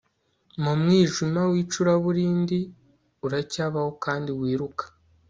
Mu mwijima wicuraburindi uracyabaho kandi wiruka